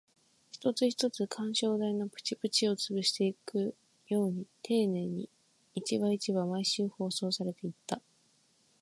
一つ一つ、緩衝材のプチプチを潰していくように丁寧に、一話一話、毎週放送されていった